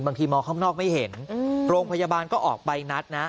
บางทีมองข้างนอกไม่เห็นโรงพยาบาลก็ออกใบนัดนะ